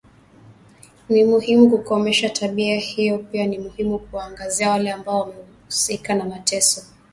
Ni muhimu kukomesha tabia hiyo pia ni muhimu kuwaangazia wale ambao wamehusika na mateso, Gilmore alisema katika mkutano na wanahabari